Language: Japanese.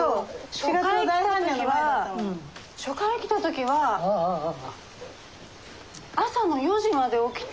初回来た時は初回来た時は朝の４時まで起きて。